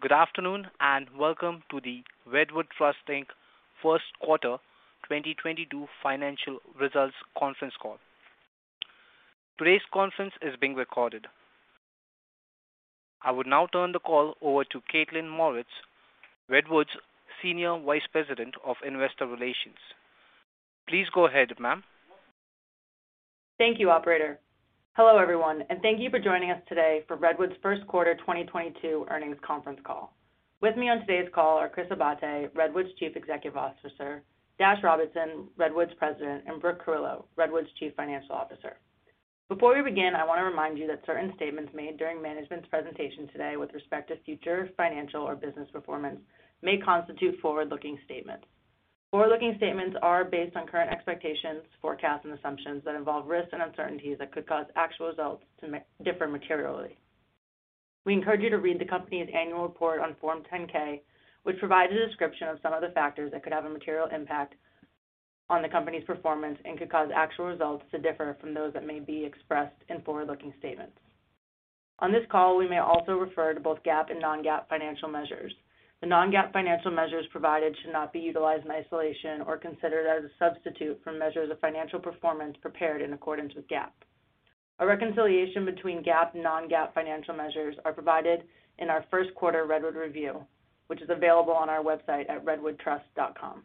Good afternoon, and welcome to the Redwood Trust, Inc. first quarter 2022 financial results conference call. Today's conference is being recorded. I would now turn the call over to Kaitlyn Mauritz, Redwood's Senior Vice President of Investor Relations. Please go ahead, ma'am. Thank you, operator. Hello, everyone, and thank you for joining us today for Redwood's first quarter 2022 earnings conference call. With me on today's call are Chris Abate, Redwood's Chief Executive Officer, Dashiell Robinson, Redwood's President, and Brooke Carillo, Redwood's Chief Financial Officer. Before we begin, I want to remind you that certain statements made during management's presentation today with respect to future financial or business performance may constitute forward-looking statements. Forward-looking statements are based on current expectations, forecasts, and assumptions that involve risks and uncertainties that could cause actual results to differ materially. We encourage you to read the company's annual report on Form 10-K, which provides a description of some of the factors that could have a material impact on the company's performance and could cause actual results to differ from those that may be expressed in forward-looking statements. On this call, we may also refer to both GAAP and non-GAAP financial measures. The non-GAAP financial measures provided should not be utilized in isolation or considered as a substitute for measures of financial performance prepared in accordance with GAAP. A reconciliation between GAAP and non-GAAP financial measures are provided in our first quarter Redwood Review, which is available on our website at redwoodtrust.com.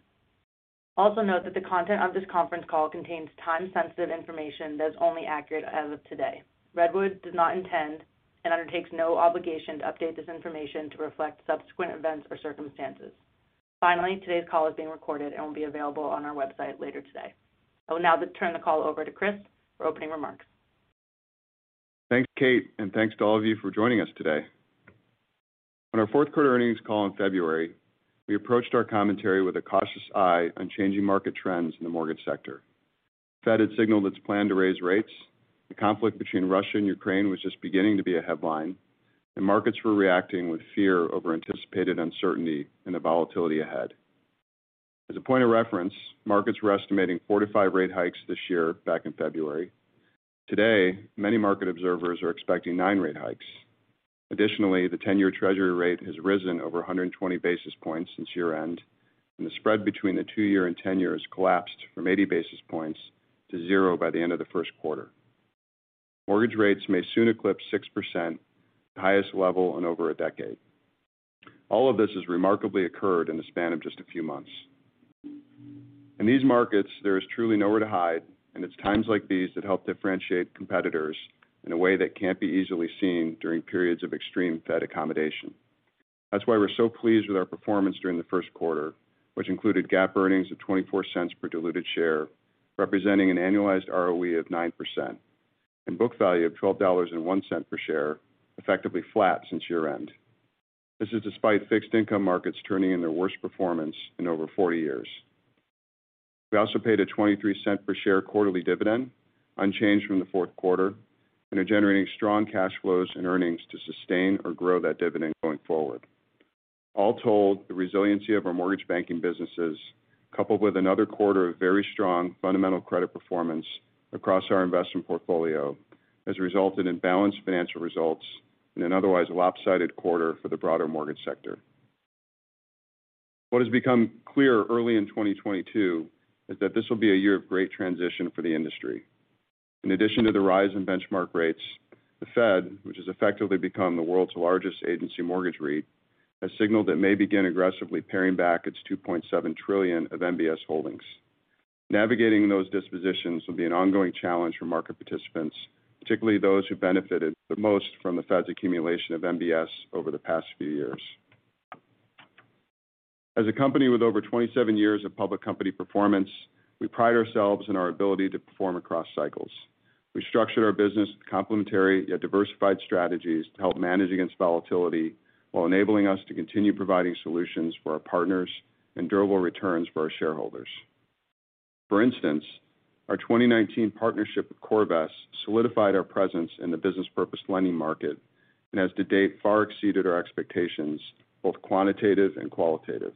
Also note that the content of this conference call contains time-sensitive information that is only accurate as of today. Redwood does not intend and undertakes no obligation to update this information to reflect subsequent events or circumstances. Finally, today's call is being recorded and will be available on our website later today. I will now turn the call over to Chris for opening remarks. Thanks, Kate, and thanks to all of you for joining us today. On our fourth quarter earnings call in February, we approached our commentary with a cautious eye on changing market trends in the mortgage sector. Fed had signaled its plan to raise rates, the conflict between Russia and Ukraine was just beginning to be a headline, and markets were reacting with fear over anticipated uncertainty and the volatility ahead. As a point of reference, markets were estimating four, five rate hikes this year back in February. Today, many market observers are expecting nine rate hikes. Additionally, the ten-year treasury rate has risen over 120 basis points since year-end, and the spread between the two year and 10-year has collapsed from 80 basis points to zero by the end of the first quarter. Mortgage rates may soon eclipse 6%, the highest level in over a decade. All of this has remarkably occurred in the span of just a few months. In these markets, there is truly nowhere to hide, and it's times like these that help differentiate competitors in a way that can't be easily seen during periods of extreme Fed accommodation. That's why we're so pleased with our performance during the first quarter, which included GAAP earnings of $0.24 per diluted share, representing an annualized ROE of 9% and book value of $12.01 per share, effectively flat since year-end. This is despite fixed income markets turning in their worst performance in over 40-years. We also paid a $0.23 per share quarterly dividend, unchanged from the fourth quarter, and are generating strong cash flows and earnings to sustain or grow that dividend going forward. All told, the resiliency of our mortgage banking businesses, coupled with another quarter of very strong fundamental credit performance across our investment portfolio, has resulted in balanced financial results in an otherwise lopsided quarter for the broader mortgage sector. What has become clear early in 2022 is that this will be a year of great transition for the industry. In addition to the rise in benchmark rates, the Fed, which has effectively become the world's largest agency mortgage REIT, has signaled it may begin aggressively paring back its $2.7 trillion of MBS holdings. Navigating those dispositions will be an ongoing challenge for market participants, particularly those who benefited the most from the Fed's accumulation of MBS over the past few years. As a company with over 27-years of public company performance, we pride ourselves in our ability to perform across cycles. We structured our business with complementary yet diversified strategies to help manage against volatility while enabling us to continue providing solutions for our partners and durable returns for our shareholders. For instance, our 2019 partnership with CoreVest solidified our presence in the business purpose lending market and has to date far exceeded our expectations, both quantitative and qualitative.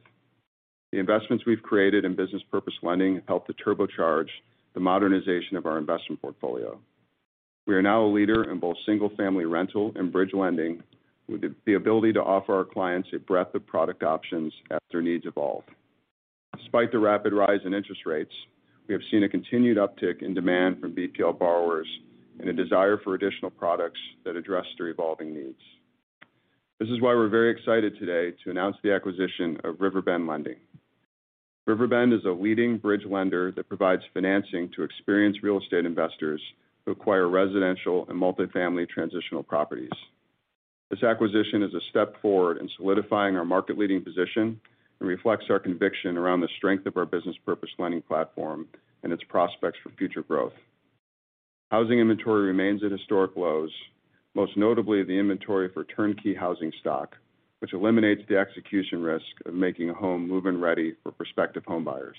The investments we've created in business purpose lending helped to turbocharge the modernization of our investment portfolio. We are now a leader in both single-family rental and bridge lending, with the ability to offer our clients a breadth of product options as their needs evolve. Despite the rapid rise in interest rates, we have seen a continued uptick in demand from BPL borrowers and a desire for additional products that address their evolving needs. This is why we're very excited today to announce the acquisition of Riverbend Lending. Riverbend is a leading bridge lender that provides financing to experienced real estate investors who acquire residential and multifamily transitional properties. This acquisition is a step forward in solidifying our market-leading position and reflects our conviction around the strength of our business purpose lending platform and its prospects for future growth. Housing inventory remains at historic lows, most notably the inventory for turnkey housing stock, which eliminates the execution risk of making a home move-in ready for prospective home buyers.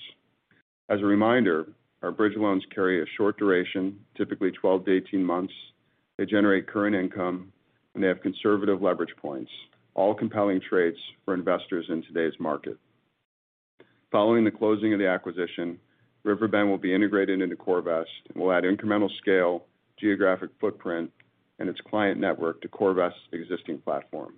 As a reminder, our bridge loans carry a short duration, typically 12-18-months. They generate current income, and they have conservative leverage points, all compelling traits for investors in today's market. Following the closing of the acquisition, Riverbend will be integrated into CoreVest and will add incremental scale, geographic footprint, and its client network to CoreVest's existing platform.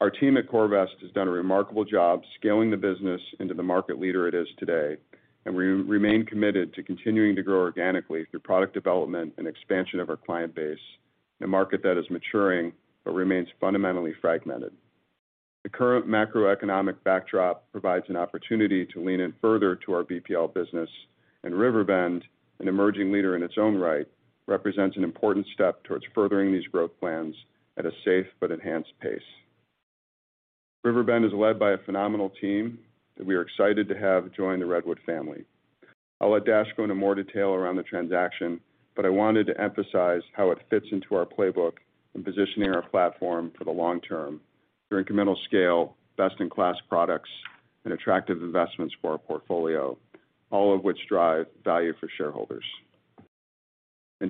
Our team at CoreVest has done a remarkable job scaling the business into the market leader it is today, and we remain committed to continuing to grow organically through product development and expansion of our client base in a market that is maturing but remains fundamentally fragmented. The current macroeconomic backdrop provides an opportunity to lean in further to our BPL business, and Riverbend, an emerging leader in its own right, represents an important step towards furthering these growth plans at a safe but enhanced pace. Riverbend is led by a phenomenal team that we are excited to have join the Redwood family. I'll let Dash go into more detail around the transaction, but I wanted to emphasize how it fits into our playbook in positioning our platform for the long term through incremental scale, best-in-class products, and attractive investments for our portfolio, all of which drive value for shareholders.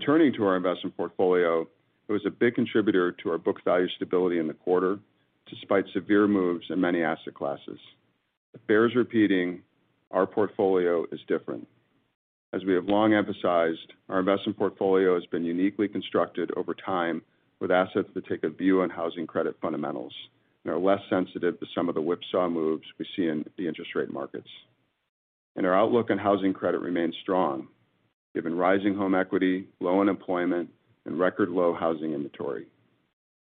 Turning to our investment portfolio, it was a big contributor to our book value stability in the quarter despite severe moves in many asset classes. It bears repeating, our portfolio is different. As we have long emphasized, our investment portfolio has been uniquely constructed over time with assets that take a view on housing credit fundamentals and are less sensitive to some of the whipsaw moves we see in the interest rate markets. Our outlook on housing credit remains strong, given rising home equity, low unemployment, and record low housing inventory.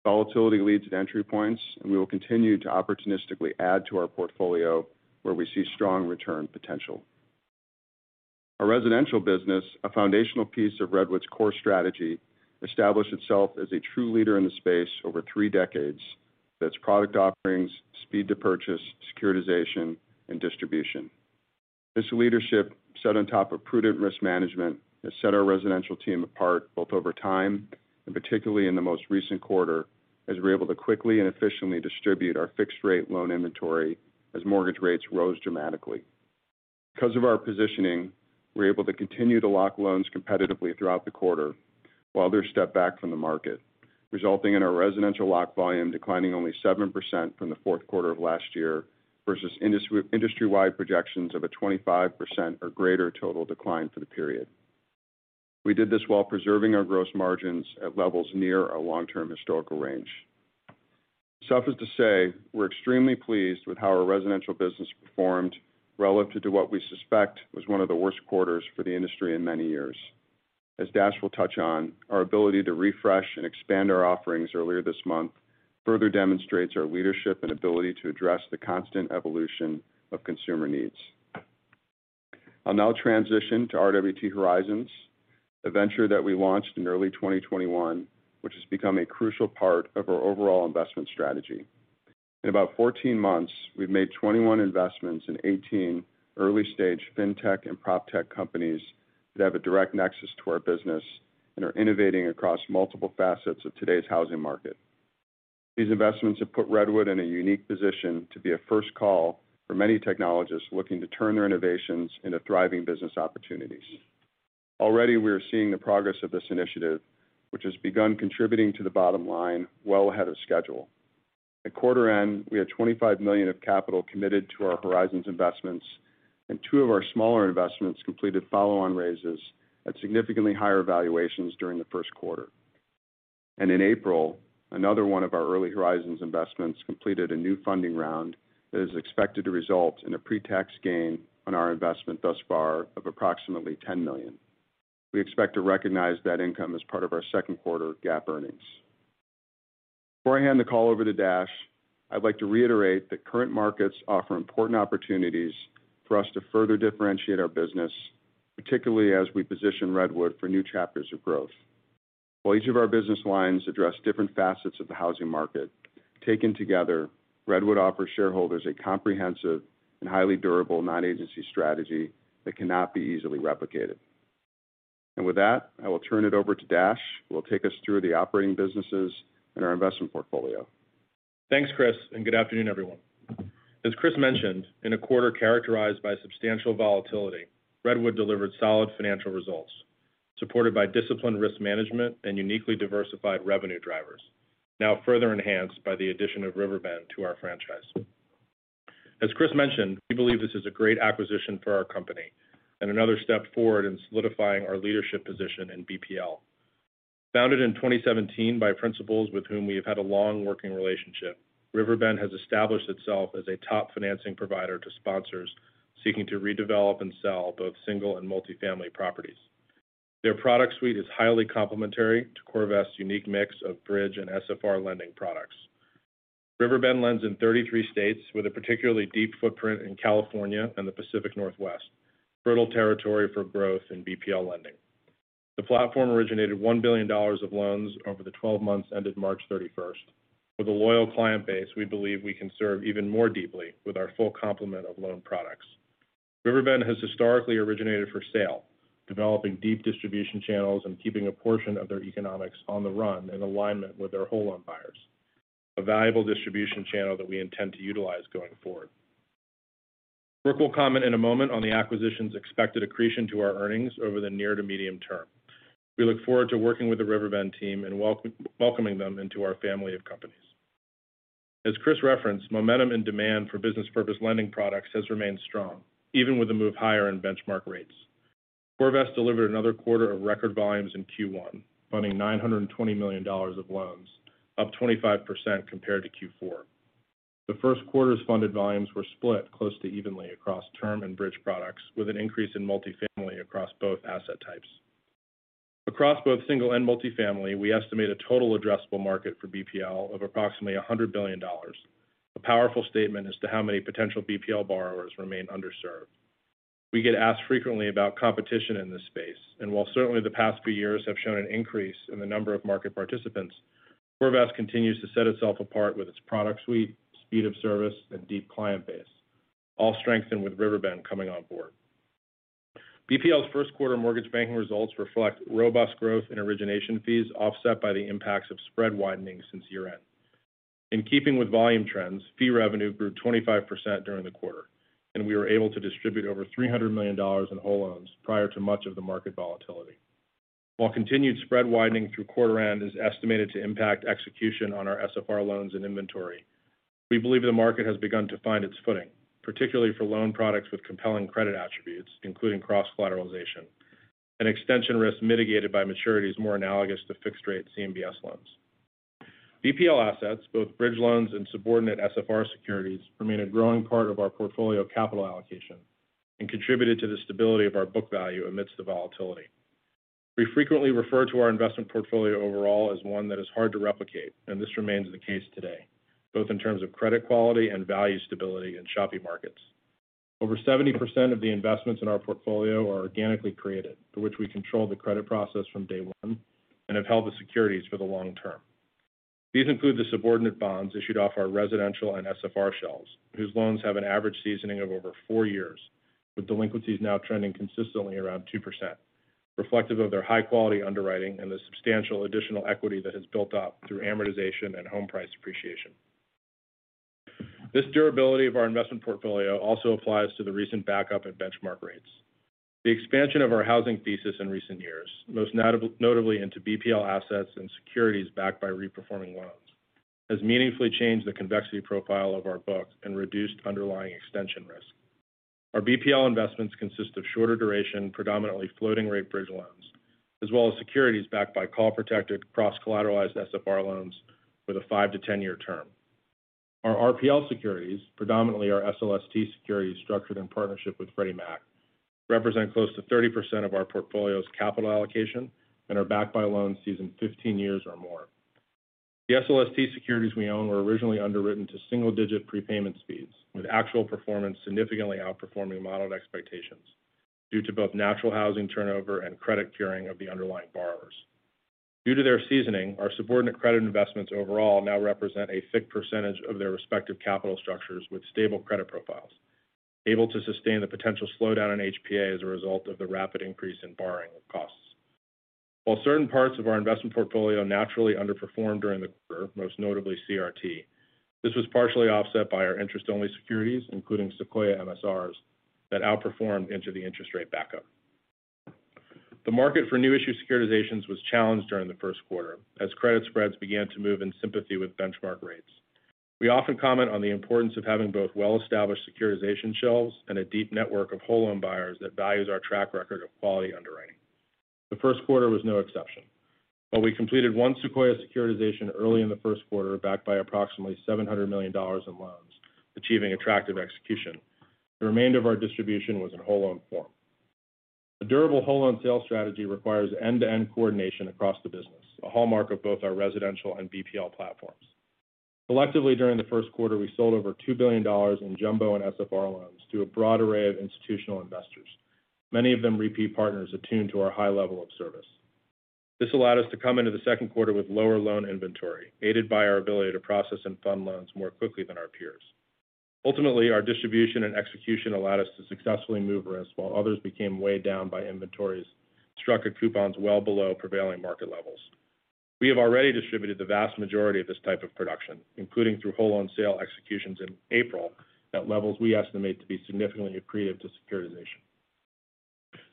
Volatility leads at entry points, and we will continue to opportunistically add to our portfolio where we see strong return potential. Our residential business, a foundational piece of Redwood's core strategy, established itself as a true leader in the space over three decades with its product offerings, speed to purchase, securitization, and distribution. This leadership, set on top of prudent risk management, has set our residential team apart both over time and particularly in the most recent quarter, as we were able to quickly and efficiently distribute our fixed-rate loan inventory as mortgage rates rose dramatically. Because of our positioning, we were able to continue to lock loans competitively throughout the quarter while others stepped back from the market, resulting in our residential lock volume declining only 7% from the fourth quarter of last year versus industry-wide projections of a 25% or greater total decline for the period. We did this while preserving our gross margins at levels near our long-term historical range. Suffice to say, we're extremely pleased with how our residential business performed relative to what we suspect was one of the worst quarters for the industry in many years. As Dash will touch on, our ability to refresh and expand our offerings earlier this month further demonstrates our leadership and ability to address the constant evolution of consumer needs. I'll now transition to RWT Horizons, the venture that we launched in early 2021, which has become a crucial part of our overall investment strategy. In about 14-months, we've made 21 investments in 18 early-stage fintech and proptech companies that have a direct nexus to our business and are innovating across multiple facets of today's housing market. These investments have put Redwood in a unique position to be a first call for many technologists looking to turn their innovations into thriving business opportunities. Already, we are seeing the progress of this initiative, which has begun contributing to the bottom line well ahead of schedule. At quarter end, we had $25 million of capital committed to our Horizons investments, and two of our smaller investments completed follow-on raises at significantly higher valuations during the first quarter. In April, another one of our early Horizons investments completed a new funding round that is expected to result in a pre-tax gain on our investment thus far of approximately $10 million. We expect to recognize that income as part of our second quarter GAAP earnings. Before I hand the call over to Dash, I'd like to reiterate that current markets offer important opportunities for us to further differentiate our business, particularly as we position Redwood for new chapters of growth. While each of our business lines address different facets of the housing market, taken together, Redwood offers shareholders a comprehensive and highly durable non-agency strategy that cannot be easily replicated. With that, I will turn it over to Dash, who will take us through the operating businesses and our investment portfolio. Thanks, Chris, and good afternoon, everyone. As Chris mentioned, in a quarter characterized by substantial volatility, Redwood delivered solid financial results, supported by disciplined risk management and uniquely diversified revenue drivers, now further enhanced by the addition of Riverbend to our franchise. As Chris mentioned, we believe this is a great acquisition for our company and another step forward in solidifying our leadership position in BPL. Founded in 2017 by principals with whom we have had a long working relationship, Riverbend has established itself as a top financing provider to sponsors seeking to redevelop and sell both single and multifamily properties. Their product suite is highly complementary to CoreVest's unique mix of bridge and SFR lending products. Riverbend lends in 33 states with a particularly deep footprint in California and the Pacific Northwest, fertile territory for growth in BPL lending. The platform originated $1 billion of loans over the 12-months ended March 31st. With a loyal client base, we believe we can serve even more deeply with our full complement of loan products. Riverbend has historically originated for sale, developing deep distribution channels and keeping a portion of their economics on the run in alignment with their whole loan buyers, a valuable distribution channel that we intend to utilize going forward. Brooke will comment in a moment on the acquisition's expected accretion to our earnings over the near to medium term. We look forward to working with the Riverbend team and welcoming them into our family of companies. As Chris referenced, momentum and demand for business purpose lending products has remained strong even with the move higher in benchmark rates. CoreVest delivered another quarter of record volumes in Q1, funding $920 million of loans, up 25% compared to Q4. The first quarter's funded volumes were split close to evenly across term and bridge products, with an increase in multifamily across both asset types. Across both single and multifamily, we estimate a total addressable market for BPL of approximately $100 billion. A powerful statement as to how many potential BPL borrowers remain underserved. We get asked frequently about competition in this space, and while certainly the past few years have shown an increase in the number of market participants, CoreVest continues to set itself apart with its product suite, speed of service, and deep client base, all strengthened with Riverbend coming on board. BPL's first quarter mortgage banking results reflect robust growth in origination fees, offset by the impacts of spread widening since year-end. In keeping with volume trends, fee revenue grew 25% during the quarter, and we were able to distribute over $300 million in whole loans prior to much of the market volatility. While continued spread widening through quarter end is estimated to impact execution on our SFR loans and inventory, we believe the market has begun to find its footing, particularly for loan products with compelling credit attributes, including cross-collateralization and extension risk mitigated by maturities more analogous to fixed rate CMBS loans. BPL assets, both bridge loans and subordinate SFR securities, remain a growing part of our portfolio capital allocation and contributed to the stability of our book value amidst the volatility. We frequently refer to our investment portfolio overall as one that is hard to replicate, and this remains the case today, both in terms of credit quality and value stability in choppy markets. Over 70% of the investments in our portfolio are organically created, for which we control the credit process from day one and have held the securities for the long term. These include the subordinate bonds issued off our residential and SFR shelves, whose loans have an average seasoning of over four years, with delinquencies now trending consistently around 2%, reflective of their high quality underwriting and the substantial additional equity that has built up through amortization and home price appreciation. This durability of our investment portfolio also applies to the recent backup at benchmark rates. The expansion of our housing thesis in recent years, most notably into BPL assets and securities backed by reperforming loans, has meaningfully changed the convexity profile of our books and reduced underlying extension risk. Our BPL investments consist of shorter duration, predominantly floating rate bridge loans, as well as securities backed by call protected cross-collateralized SFR loans with a five to 10-year term. Our RPL securities, predominantly our SLST securities structured in partnership with Freddie Mac, represent close to 30% of our portfolio's capital allocation and are backed by loans seasoned 15-years or more. The SLST securities we own were originally underwritten to single-digit prepayment speeds, with actual performance significantly outperforming modeled expectations due to both natural housing turnover and credit curing of the underlying borrowers. Due to their seasoning, our subordinate credit investments overall now represent a thick percentage of their respective capital structures with stable credit profiles, able to sustain the potential slowdown in HPA as a result of the rapid increase in borrowing costs. While certain parts of our investment portfolio naturally underperformed during the quarter, most notably CRT, this was partially offset by our interest-only securities, including Sequoia MSRs, that outperformed into the interest rate backup. The market for new issue securitizations was challenged during the first quarter as credit spreads began to move in sympathy with benchmark rates. We often comment on the importance of having both well-established securitization shelves and a deep network of whole loan buyers that values our track record of quality underwriting. The first quarter was no exception, but we completed one Sequoia securitization early in the first quarter, backed by approximately $700 million in loans, achieving attractive execution. The remainder of our distribution was in whole loan form. A durable whole loan sales strategy requires end-to-end coordination across the business, a hallmark of both our residential and BPL platforms. Collectively, during the first quarter, we sold over $2 billion in jumbo and SFR loans to a broad array of institutional investors, many of them repeat partners attuned to our high level of service. This allowed us to come into the second quarter with lower loan inventory, aided by our ability to process and fund loans more quickly than our peers. Ultimately, our distribution and execution allowed us to successfully move risk while others became weighed down by inventories, struck at coupons well below prevailing market levels. We have already distributed the vast majority of this type of production, including through whole loan sale executions in April, at levels we estimate to be significantly accretive to securitization.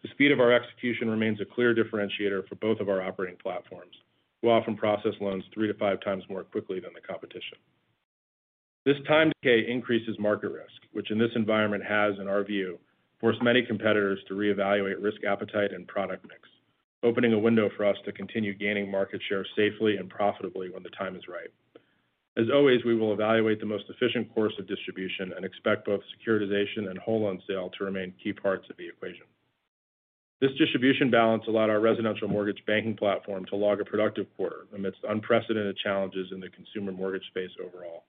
The speed of our execution remains a clear differentiator for both of our operating platforms. We often process loans three to five times more quickly than the competition. This time decay increases market risk, which in this environment has, in our view, forced many competitors to reevaluate risk appetite and product mix, opening a window for us to continue gaining market share safely and profitably when the time is right. As always, we will evaluate the most efficient course of distribution and expect both securitization and whole loan sale to remain key parts of the equation. This distribution balance allowed our residential mortgage banking platform to log a productive quarter amidst unprecedented challenges in the consumer mortgage space overall.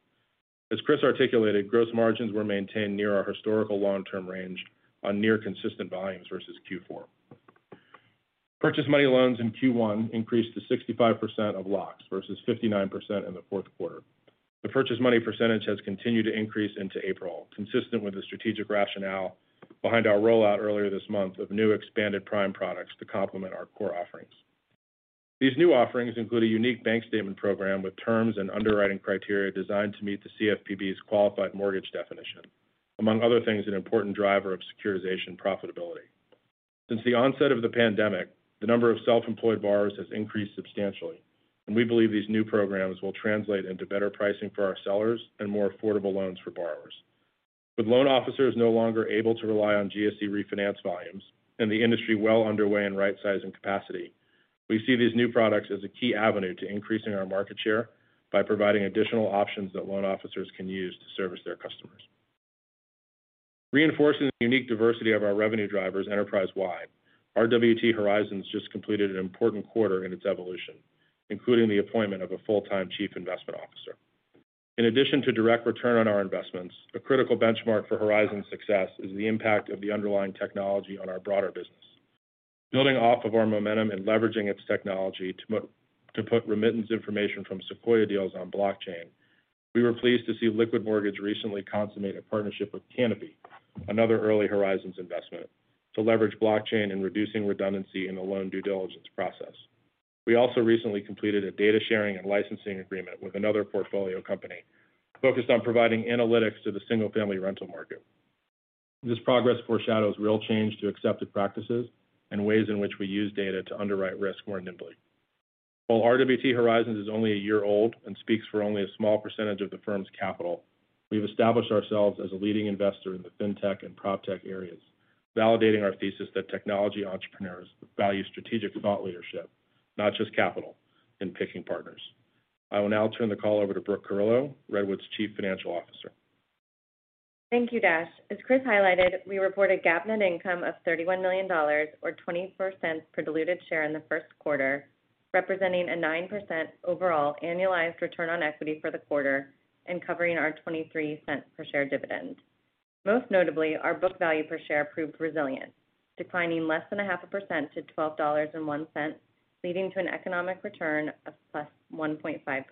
As Chris articulated, gross margins were maintained near our historical long-term range on near consistent volumes versus Q4. Purchase money loans in Q1 increased to 65% of locks, versus 59% in the fourth quarter. The purchase money percentage has continued to increase into April, consistent with the strategic rationale behind our rollout earlier this month of new expanded prime products to complement our core offerings. These new offerings include a unique bank statement program with terms and underwriting criteria designed to meet the CFPB's qualified mortgage definition, among other things, an important driver of securitization profitability. Since the onset of the pandemic, the number of self-employed borrowers has increased substantially, and we believe these new programs will translate into better pricing for our sellers and more affordable loans for borrowers. With loan officers no longer able to rely on GSE refinance volumes and the industry well underway in rightsizing capacity, we see these new products as a key avenue to increasing our market share by providing additional options that loan officers can use to service their customers. Reinforcing the unique diversity of our revenue drivers enterprise-wide, RWT Horizons just completed an important quarter in its evolution, including the appointment of a full-time chief investment officer. In addition to direct return on our investments, a critical benchmark for RWT Horizons' success is the impact of the underlying technology on our broader business. Building off of our momentum and leveraging its technology to put remittance information from Sequoia deals on blockchain, we were pleased to see Liquid Mortgage recently consummate a partnership with Canopy, another early RWT Horizons investment, to leverage blockchain in reducing redundancy in the loan due diligence process. We also recently completed a data sharing and licensing agreement with another portfolio company focused on providing analytics to the single-family rental market. This progress foreshadows real change to accepted practices and ways in which we use data to underwrite risk more nimbly. While RWT Horizons is only a year old and speaks for only a small percentage of the firm's capital, we've established ourselves as a leading investor in the fintech and proptech areas, validating our thesis that technology entrepreneurs value strategic thought leadership, not just capital, in picking partners. I will now turn the call over to Brooke Carillo, Redwood's Chief Financial Officer. Thank you, Dash. As Chris highlighted, we reported GAAP net income of $31 million or $0.20 per diluted share in the first quarter, representing a 9% overall annualized return on equity for the quarter and covering our $0.23 per share dividend. Most notably, our book value per share proved resilient, declining less than 0.5% to $12.01, leading to an economic return of +1.5%.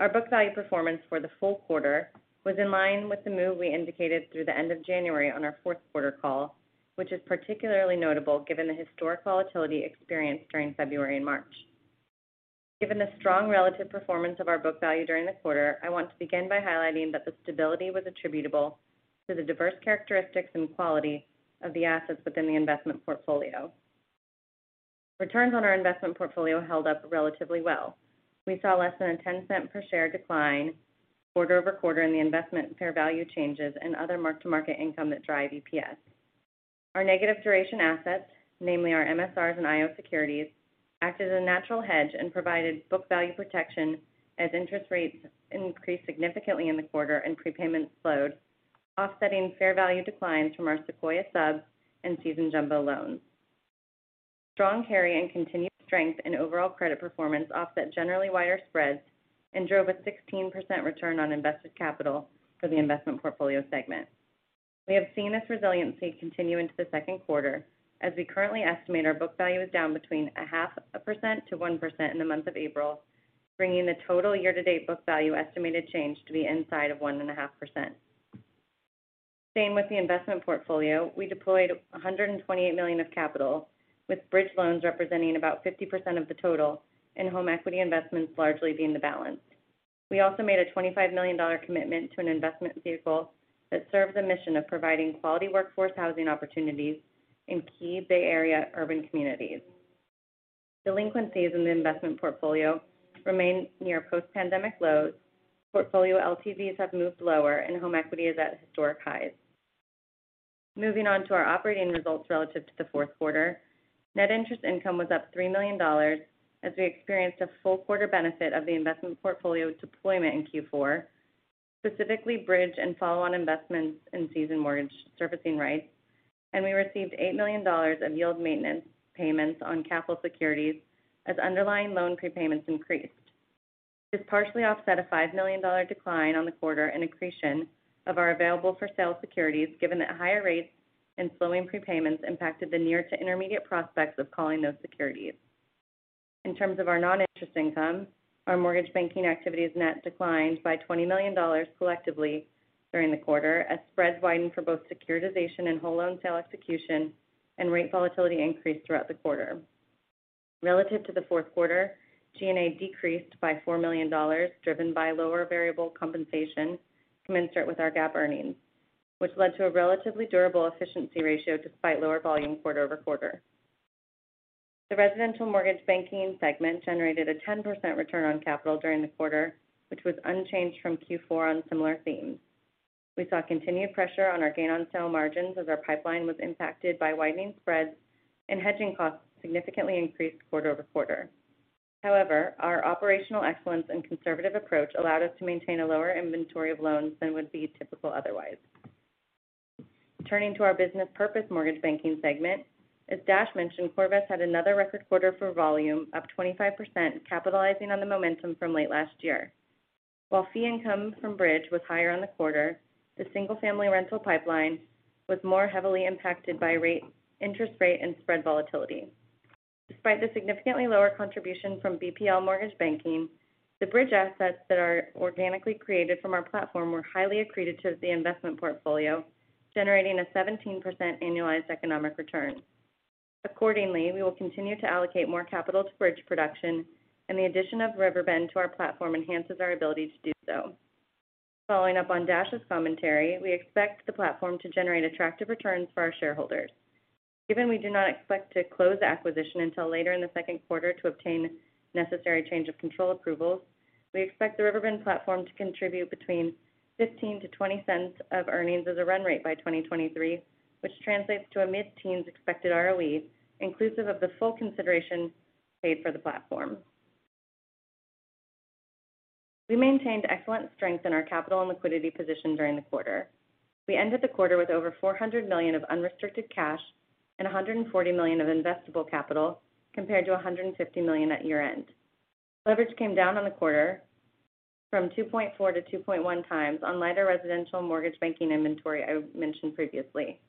Our book value performance for the full quarter was in line with the move we indicated through the end of January on our fourth quarter call, which is particularly notable given the historic volatility experienced during February and March. Given the strong relative performance of our book value during the quarter, I want to begin by highlighting that the stability was attributable to the diverse characteristics and quality of the assets within the investment portfolio. Returns on our investment portfolio held up relatively well. We saw less than a $0.10 per share decline quarter-over-quarter in the investment fair value changes and other mark-to-market income that drive EPS. Our negative duration assets, namely our MSRs and IO securities, acted as a natural hedge and provided book value protection as interest rates increased significantly in the quarter and prepayments slowed, offsetting fair value declines from our Sequoia subs and Sequoia jumbo loans. Strong carry and continued strength in overall credit performance offset generally wider spreads and drove a 16% return on invested capital for the investment portfolio segment. We have seen this resiliency continue into the second quarter as we currently estimate our book value is down 0.5%-1% in the month of April, bringing the total year-to-date book value estimated change to be inside of 1.5%. Same with the investment portfolio. We deployed $128 million of capital, with bridge loans representing about 50% of the total and home equity investments largely being the balance. We also made a $25 million commitment to an investment vehicle that serves the mission of providing quality workforce housing opportunities in key Bay Area urban communities. Delinquencies in the investment portfolio remain near post-pandemic lows. Portfolio LTVs have moved lower and home equity is at historic highs. Moving on to our operating results relative to the fourth quarter, net interest income was up $3 million as we experienced a full quarter benefit of the investment portfolio deployment in Q4, specifically bridge and follow-on investments in Sequoia mortgage servicing rights. We received $8 million of yield maintenance payments on capital securities as underlying loan prepayments increased. This partially offset a $5 million decline on the quarter in accretion of our available-for-sale securities, given that higher rates and slowing prepayments impacted the near to intermediate prospects of calling those securities. In terms of our non-interest income, our mortgage banking activities net declined by $20 million collectively during the quarter as spreads widened for both securitization and whole loan sale execution and rate volatility increased throughout the quarter. Relative to the fourth quarter, G&A decreased by $4 million, driven by lower variable compensation commensurate with our GAAP earnings, which led to a relatively durable efficiency ratio despite lower volume quarter-over-quarter. The residential mortgage banking segment generated a 10% return on capital during the quarter, which was unchanged from Q4 on similar themes. We saw continued pressure on our gain-on-sale margins as our pipeline was impacted by widening spreads and hedging costs significantly increased quarter-over-quarter. However, our operational excellence and conservative approach allowed us to maintain a lower inventory of loans than would be typical otherwise. Turning to our business purpose mortgage banking segment, as Dash mentioned, CoreVest had another record quarter for volume, up 25%, capitalizing on the momentum from late last year. While fee income from Bridge was higher on the quarter, the single-family rental pipeline was more heavily impacted by rate, interest rate, and spread volatility. Despite the significantly lower contribution from BPL Mortgage Banking, the Bridge assets that are organically created from our platform were highly accretive to the investment portfolio, generating a 17% annualized economic return. Accordingly, we will continue to allocate more capital to bridge production, and the addition of Riverbend to our platform enhances our ability to do so. Following up on Dash's commentary, we expect the platform to generate attractive returns for our shareholders. Given we do not expect to close the acquisition until later in the second quarter to obtain necessary change of control approvals, we expect the Riverbend platform to contribute between $0.15-$0.20 of earnings as a run rate by 2023, which translates to a mid-teens expected ROE inclusive of the full consideration paid for the platform. We maintained excellent strength in our capital and liquidity position during the quarter. We ended the quarter with over $400 million of unrestricted cash and $140 million of investable capital compared to $150 million at year-end. Leverage came down on the quarter from 2.4-2.1 times on lighter residential mortgage banking inventory I mentioned previously.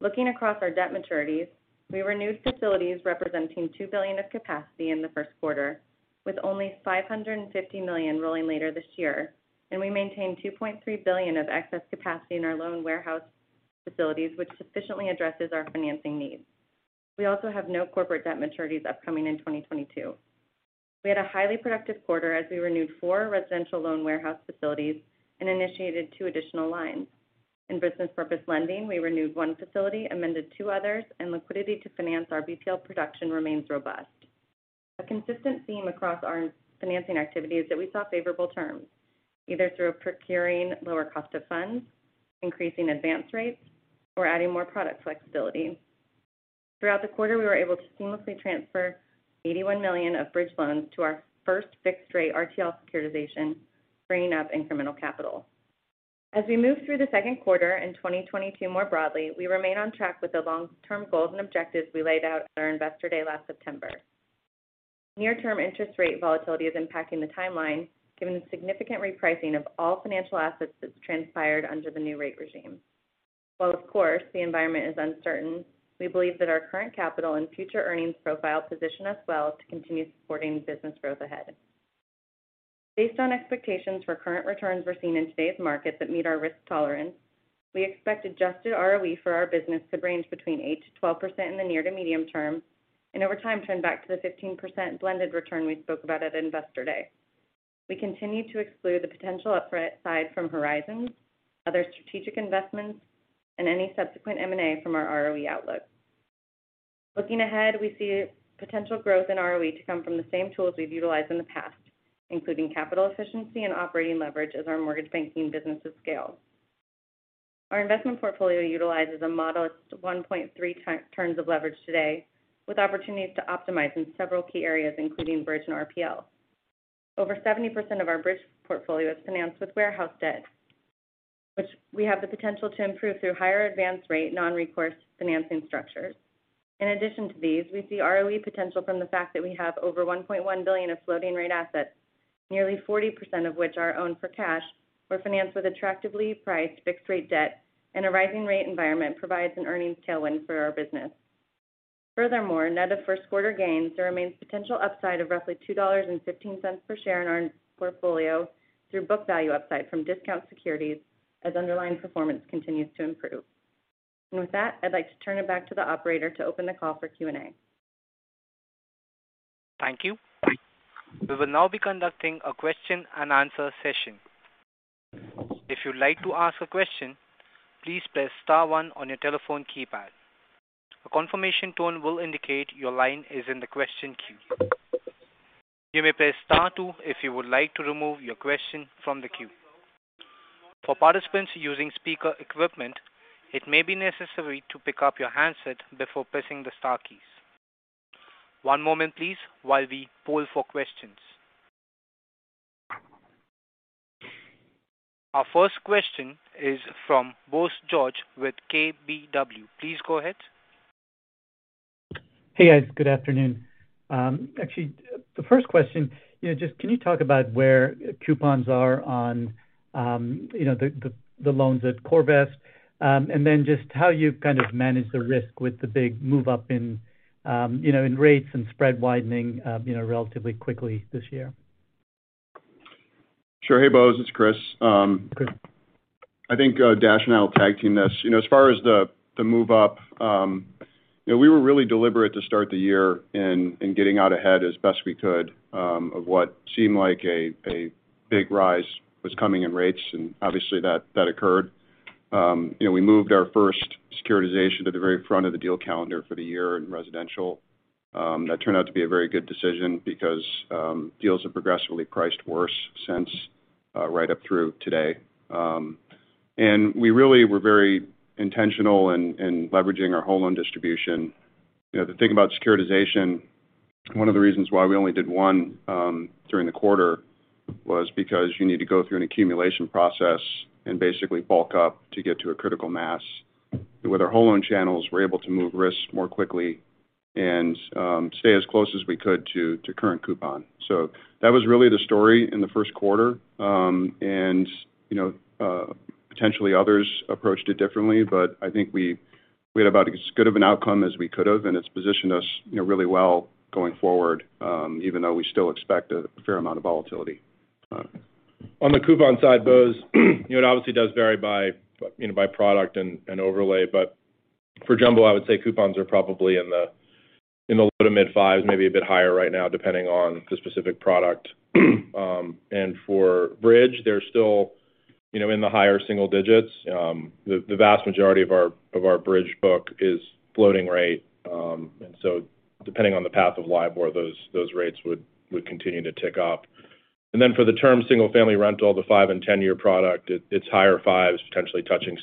Looking across our debt maturities, we renewed facilities representing $2 billion of capacity in the first quarter, with only $550 million rolling later this year, and we maintain $2.3 billion of excess capacity in our loan warehouse facilities, which sufficiently addresses our financing needs. We also have no corporate debt maturities upcoming in 2022. We had a highly productive quarter as we renewed four residential loan warehouse facilities and initiated two additional lines. In business purpose lending, we renewed one facility, amended two others, and liquidity to finance our BPL production remains robust. A consistent theme across our financing activity is that we saw favorable terms, either through procuring lower cost of funds, increasing advance rates, or adding more product flexibility. Throughout the quarter, we were able to seamlessly transfer $81 million of bridge loans to our first fixed-rate RTL securitization, bringing up incremental capital. As we move through the second quarter and 2022 more broadly, we remain on track with the long-term goals and objectives we laid out at our Investor Day last September. Near-term interest rate volatility is impacting the timeline given the significant repricing of all financial assets that's transpired under the new rate regime. While, of course, the environment is uncertain, we believe that our current capital and future earnings profile position us well to continue supporting business growth ahead. Based on expectations for current returns we're seeing in today's market that meet our risk tolerance, we expect adjusted ROE for our business to range between 8%-12% in the near to medium term, and over time turn back to the 15% blended return we spoke about at Investor Day. We continue to exclude the potential upside from Horizons, other strategic investments, and any subsequent M&A from our ROE outlook. Looking ahead, we see potential growth in ROE to come from the same tools we've utilized in the past, including capital efficiency and operating leverage as our mortgage banking business has scaled. Our investment portfolio utilizes a modest 1.3 turns of leverage today, with opportunities to optimize in several key areas, including bridge and RPL. Over 70% of our bridge portfolio is financed with warehouse debt, which we have the potential to improve through higher advance rate non-recourse financing structures. In addition to these, we see ROE potential from the fact that we have over $1.1 billion of floating rate assets, nearly 40% of which are owned for cash or financed with attractively priced fixed-rate debt, and a rising rate environment provides an earnings tailwind for our business. Furthermore, net of first quarter gains, there remains potential upside of roughly $2.15 per share in our portfolio through book value upside from discount securities as underlying performance continues to improve. With that, I'd like to turn it back to the operator to open the call for Q&A. Thank you. We will now be conducting a question and answer session. If you'd like to ask a question, please press star one on your telephone keypad. A confirmation tone will indicate your line is in the question queue. You may press star two if you would like to remove your question from the queue. For participants using speaker equipment, it may be necessary to pick up your handset before pressing the star keys. One moment please while we poll for questions. Our first question is from Bose George with KBW. Please go ahead. Hey, guys. Good afternoon. Actually, the first question, you know, just can you talk about where coupons are on, you know, the loans at CoreVest, and then just how you've kind of managed the risk with the big move up in, you know, in rates and spread widening, you know, relatively quickly this year? Sure. Hey, Bose, it's Chris. Chris. I think, Dash and I will tag team this. You know, as far as the move up, you know, we were really deliberate to start the year in getting out ahead as best we could, of what seemed like a big rise was coming in rates, and obviously that occurred. You know, we moved our first securitization to the very front of the deal calendar for the year in residential. That turned out to be a very good decision because, deals have progressively priced worse since, right up through today. And we really were very intentional in leveraging our whole loan distribution. You know, the thing about securitization, one of the reasons why we only did one during the quarter was because you need to go through an accumulation process and basically bulk up to get to a critical mass. With our whole loan channels, we're able to move risks more quickly and stay as close as we could to current coupon. That was really the story in the first quarter. You know, potentially others approached it differently, but I think we had about as good of an outcome as we could have, and it's positioned us, you know, really well going forward, even though we still expect a fair amount of volatility. On the coupon side, Bose, you know, it obviously does vary by, you know, by product and overlay. For Jumbo, I would say coupons are probably in the low to mid-5s, maybe a bit higher right now depending on the specific product. For Bridge, they're still, you know, in the higher single digits. The vast majority of our Bridge book is floating rate, and so depending on the path of LIBOR, those rates would continue to tick up. For the term single-family rental, the five and 10-year product, it's higher-5s, potentially touching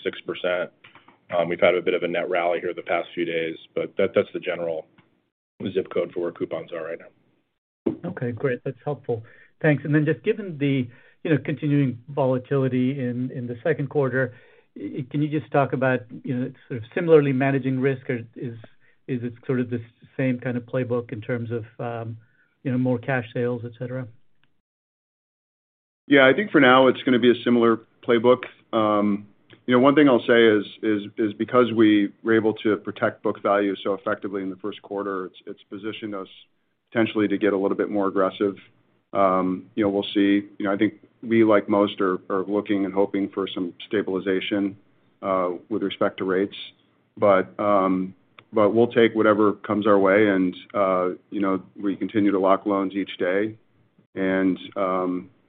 6%. We've had a bit of a rate rally here the past few days, but that's the general zip code for where coupons are right now. Okay, great. That's helpful. Thanks. Just given the, you know, continuing volatility in the second quarter, can you just talk about, you know, sort of similarly managing risk or is it sort of the same kind of playbook in terms of, you know, more cash sales, et cetera? Yeah. I think for now it's gonna be a similar playbook. You know, one thing I'll say is because we were able to protect book value so effectively in the first quarter, it's positioned us potentially to get a little bit more aggressive. You know, we'll see. You know, I think we, like most, are looking and hoping for some stabilization with respect to rates. We'll take whatever comes our way and you know, we continue to lock loans each day.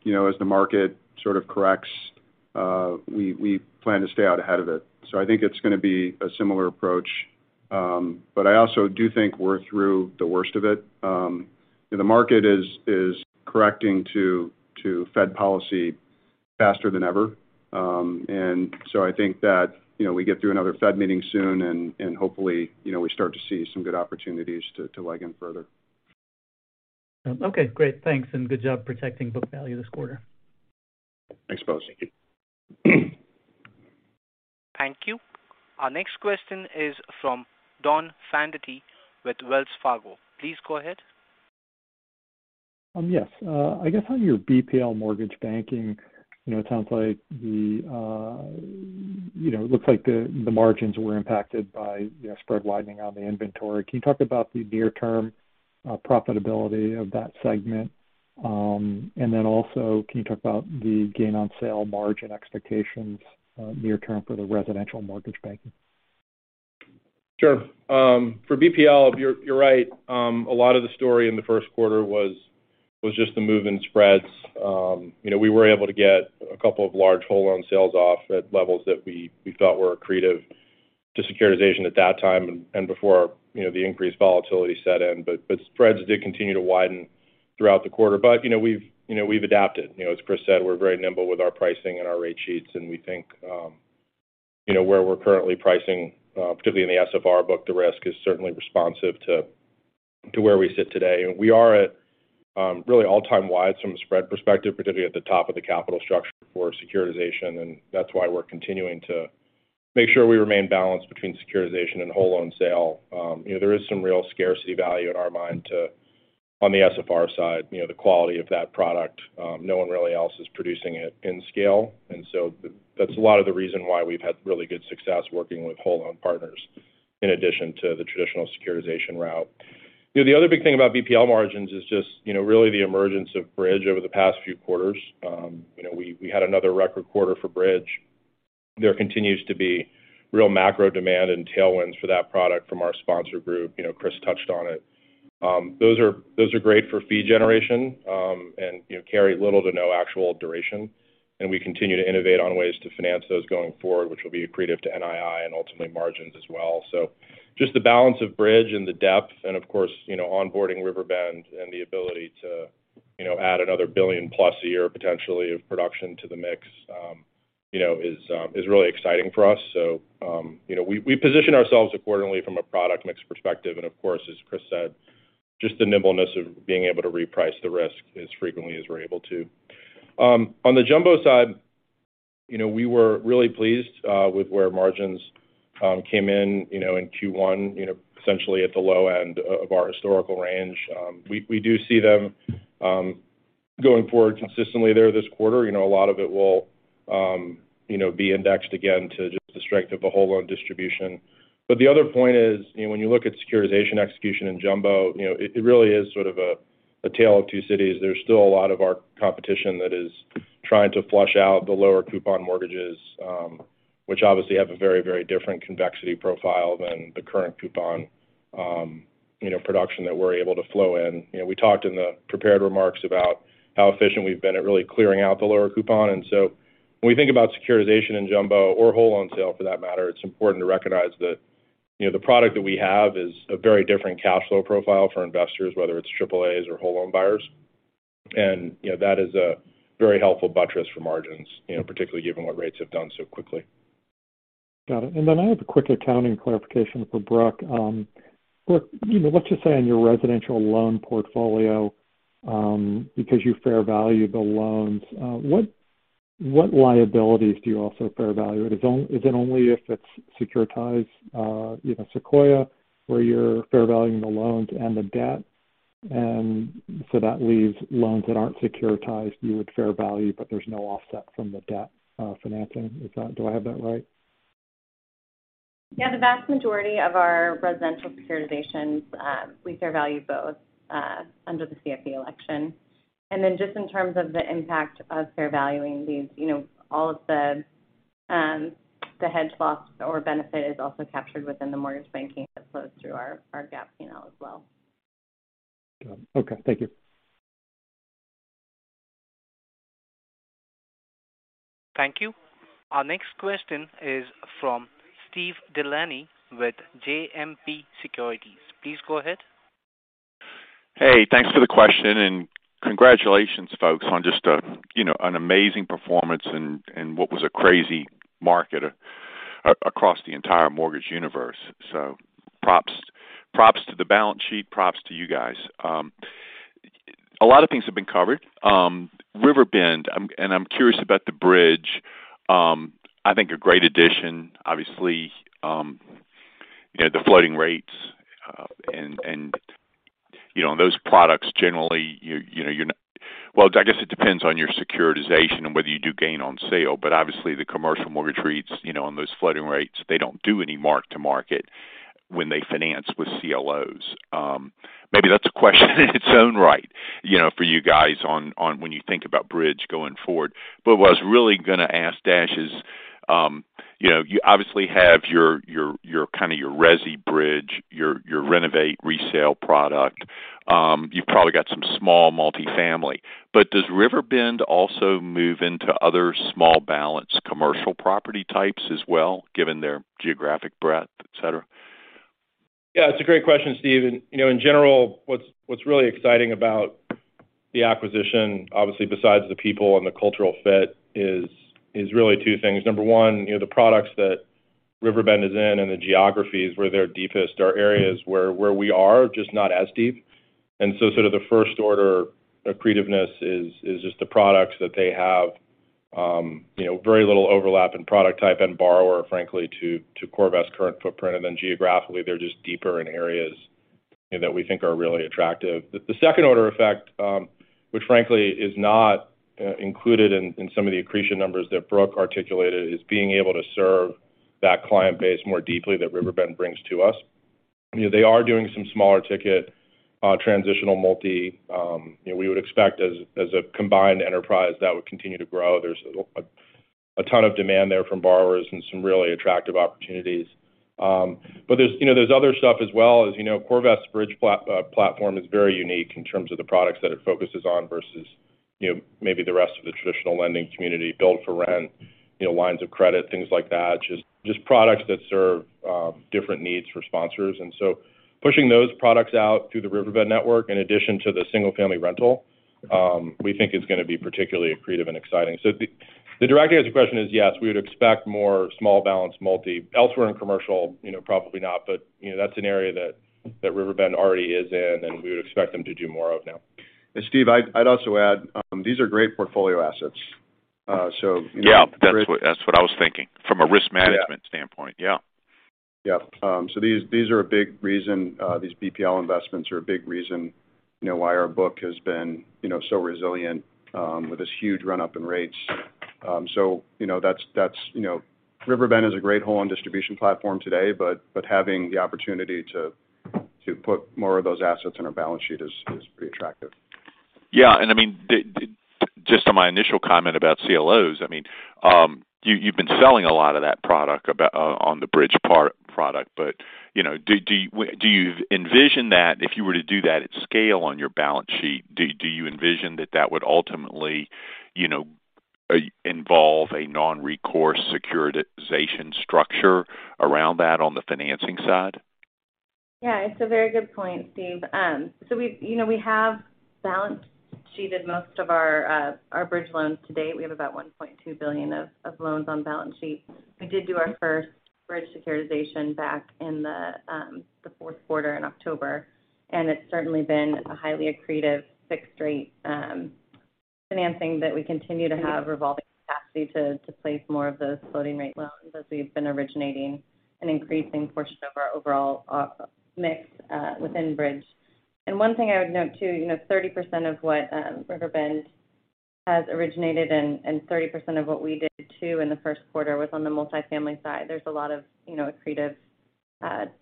You know, as the market sort of corrects, we plan to stay out ahead of it. I think it's gonna be a similar approach. I also do think we're through the worst of it. The market is correcting to Fed policy faster than ever. I think that, you know, we get through another Fed meeting soon and hopefully, you know, we start to see some good opportunities to leg in further. Okay, great. Thanks, and good job protecting book value this quarter. Thanks, Bose. Thank you. Our next question is from Donald Fandetti with Wells Fargo. Please go ahead. Yes. I guess on your BPL Mortgage Banking, you know, it sounds like the margins were impacted by, you know, spread widening on the inventory. Can you talk about the near-term profitability of that segment? Also, can you talk about the gain on sale margin expectations, near term for the Residential Mortgage Banking? Sure. For BPL, you're right. A lot of the story in the first quarter was just the move in spreads. You know, we were able to get a couple of large whole loan sales off at levels that we thought were accretive to securitization at that time and before, you know, the increased volatility set in. Spreads did continue to widen throughout the quarter. You know, we've adapted. You know, as Chris said, we're very nimble with our pricing and our rate sheets, and we think, you know, where we're currently pricing, particularly in the SFR book, the risk is certainly responsive to where we sit today. We are at really all-time wides from a spread perspective, particularly at the top of the capital structure for securitization. That's why we're continuing to make sure we remain balanced between securitization and whole loan sale. You know, there is some real scarcity value in our mind to, on the SFR side, you know, the quality of that product. No one really else is producing it in scale. That's a lot of the reason why we've had really good success working with whole loan partners in addition to the traditional securitization route. You know, the other big thing about BPL margins is just, you know, really the emergence of Bridge over the past few quarters. You know, we had another record quarter for Bridge. There continues to be real macro demand and tailwinds for that product from our sponsor group. You know, Chris touched on it. Those are great for fee generation, and you know, carry little to no actual duration. We continue to innovate on ways to finance those going forward, which will be accretive to NII and ultimately margins as well. Just the balance of bridge and the depth and of course, you know, onboarding Riverbend and the ability to, you know, add another $1 billion-plus a year potentially of production to the mix is really exciting for us. You know, we position ourselves accordingly from a product mix perspective. Of course, as Chris said, just the nimbleness of being able to reprice the risk as frequently as we're able to. On the Jumbo side, you know, we were really pleased with where margins came in, you know, in Q1, you know, essentially at the low end of our historical range. We do see them going forward consistently there this quarter. You know, a lot of it will, you know, be indexed again to just the strength of a whole loan distribution. The other point is, you know, when you look at securitization execution in Jumbo, you know, it really is sort of a tale of two cities. There's still a lot of our competition that is trying to flush out the lower coupon mortgages, which obviously have a very, very different convexity profile than the current coupon, you know, production that we're able to flow in. You know, we talked in the prepared remarks about how efficient we've been at really clearing out the lower coupon. When we think about securitization in jumbo or whole loan sale for that matter, it's important to recognize that, you know, the product that we have is a very different cash flow profile for investors, whether it's AAAs or whole loan buyers. You know, that is a very helpful buttress for margins, you know, particularly given what rates have done so quickly. Got it. I have a quick accounting clarification for Brooke. Brooke, let's just say on your residential loan portfolio, because you fair value the loans, what liabilities do you also fair value? Is it only if it's securitized, Sequoia, where you're fair valuing the loans and the debt, and so that leaves loans that aren't securitized, you would fair value, but there's no offset from the debt, financing. Do I have that right? Yeah, the vast majority of our residential securitizations, we fair value both, under the FVO election. Just in terms of the impact of fair valuing these, you know, all of the hedge loss or benefit is also captured within the mortgage banking that flows through our GAAP P&L as well. Okay. Thank you. Thank you. Our next question is from Steve DeLaney with JMP Securities. Please go ahead. Hey, thanks for the question and congratulations folks on just an amazing performance in what was a crazy market across the entire mortgage universe. Props to the balance sheet, props to you guys. A lot of things have been covered. Riverbend, and I'm curious about the bridge. I think a great addition, obviously. The floating rates, and those products generally. Well, I guess it depends on your securitization and whether you do gain on sale, but obviously the commercial mortgage rates on those floating rates, they don't do any mark to market when they finance with CLOs. Maybe that's a question in its own right, for you guys on when you think about bridge going forward. What I was really gonna ask, Dash, is, you know, you obviously have your kind of your resi bridge, your renovate resale product. You've probably got some small multifamily. Does Riverbend also move into other small balance commercial property types as well, given their geographic breadth, et cetera? Yeah, it's a great question, Steve. You know, in general, what's really exciting about the acquisition, obviously besides the people and the cultural fit is really two things. Number one, you know, the products that Riverbend is in and the geographies where they're deepest are areas where we are just not as deep. Sort of the first order accretiveness is just the products that they have, you know, very little overlap in product type and borrower, frankly, to CoreVest current footprint. Geographically, they're just deeper in areas that we think are really attractive. The second order effect, which frankly is not included in some of the accretion numbers that Brooke articulated, is being able to serve that client base more deeply that Riverbend brings to us. You know, they are doing some smaller ticket transitional multi. You know, we would expect as a combined enterprise that would continue to grow. There's a ton of demand there from borrowers and some really attractive opportunities. But there's other stuff as well. As you know, CoreVest bridge platform is very unique in terms of the products that it focuses on versus maybe the rest of the traditional lending community build for rent, you know, lines of credit, things like that. Just products that serve different needs for sponsors. Pushing those products out through the Riverbend network in addition to the single-family rental, we think is gonna be particularly accretive and exciting. The direct answer to your question is, yes, we would expect more small balance multi. Elsewhere in commercial, you know, probably not. You know, that's an area that Riverbend already is in, and we would expect them to do more of now. Steve, I'd also add, these are great portfolio assets. Yeah, that's what I was thinking from a risk management standpoint. Yeah. These BPL investments are a big reason, you know, why our book has been, you know, so resilient with this huge run-up in rates. That's, you know, Riverbend is a great whole loan and distribution platform today, but having the opportunity to put more of those assets on our balance sheet is pretty attractive. Yeah. I mean, just on my initial comment about CLOs, I mean, you've been selling a lot of that product on the bridge loan product. You know, do you envision that if you were to do that at scale on your balance sheet, do you envision that that would ultimately, you know, involve a non-recourse securitization structure around that on the financing side? Yeah, it's a very good point, Steve. So we've, you know, we have balance sheeted most of our bridge loans to date. We have about $1.2 billion of loans on balance sheet. We did do our first bridge securitization back in the fourth quarter in October, and it's certainly been a highly accretive fixed rate financing that we continue to have revolving capacity to place more of those floating rate loans as we've been originating an increasing portion of our overall mix within bridge. One thing I would note too, you know, 30% of what Riverbend has originated and 30% of what we did too in the first quarter was on the multifamily side. There's a lot of, you know, accretive